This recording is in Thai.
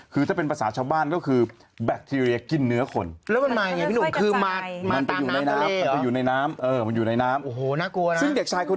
คือถ้าเป็นภาษาชาวบ้านก็คือแบคทีเรียกินเนื้อคน